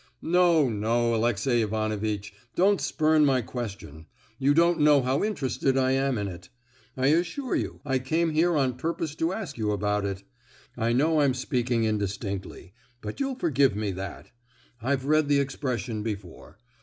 "No, no, Alexey Ivanovitch, don't spurn my question; you don't know how interested I am in it. I assure you I came here on purpose to ask you about it. I know I'm speaking indistinctly, but you'll forgive me that. I've read the expression before.